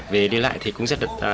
về đi lại thì cũng rất là khó khăn